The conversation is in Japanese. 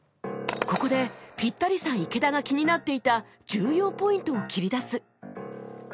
ここでピッタリさん池田が気になっていた重要ポイントを切り出す